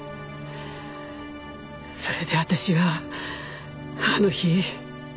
それで私はあの日。